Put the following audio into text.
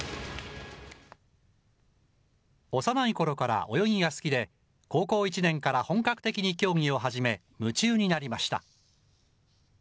幼いころから泳ぎが好きで、高校１年から本格的に競技を始め、夢中になりました。